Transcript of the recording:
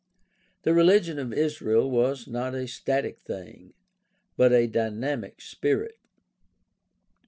The religion of Israel was not a static thing, but a dynamic spirit.